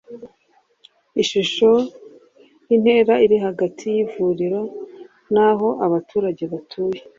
Ishusho intera iri hagati y ivuriro n aho abaturage batuye